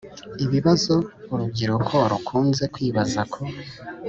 ibibazo urubyiruko rukunze kwibaza ku